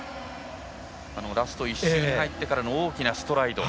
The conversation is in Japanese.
ラスト１周に入ってからの大きなストライド。